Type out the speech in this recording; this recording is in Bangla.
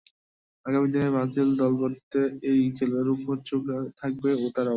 আগামী দিনের ব্রাজিল দল গড়তে এই খেলোয়াড়দের ওপর তো চোখ থাকবে তাঁরও।